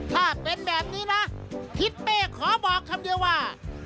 ถ้าเป็นแบบนี้นะทิศเป้ขอบอกคำเดียวว่า